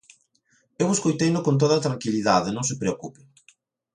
Eu escoiteino con toda tranquilidade, non se preocupe.